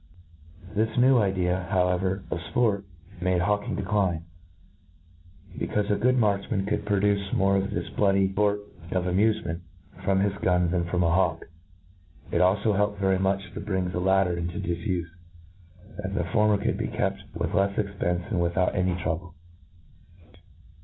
This new idea, however, of fport, made hawking decline j bJecaufe, a good markfman could procure more of this bloody fort of amufement from his gun than from a hawk. It alfo helped very much to bring the latter into difufe, that the former could be kept with lefs cxpence and without any trouble.